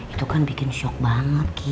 itu kan bikin shock banget